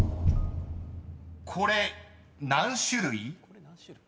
［これ何種類？］